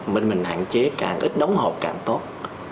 mình hạn chế càng ít đóng hộp càng tốt